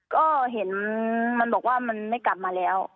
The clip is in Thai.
ก็เห็นมันบอกว่ามันไม่กลับมาแล้ว